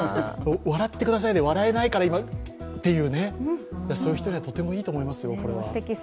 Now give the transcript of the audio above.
笑ってくださいで笑えないからっていうね、そういう人には、とてもいいと思いますよ、これは。